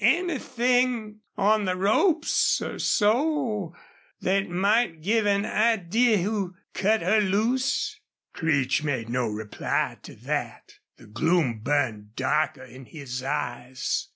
"Anythin' on the ropes or so thet might give an idee who cut her loose?" Creech made no reply to that. The gloom burned darker in his eyes.